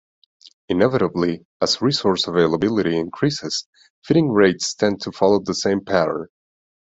Inevitably, as resource availability increases, feeding rates tend to follow the same pattern.